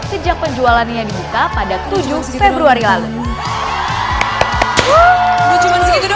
sejak penjualannya dibuka pada tujuh februari lalu